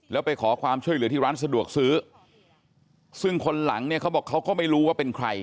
แล้วไปขอความช่วยเหลือที่ร้านสะดวกซื้อซึ่งคนหลังเนี่ยเขาบอกเขาก็ไม่รู้ว่าเป็นใคร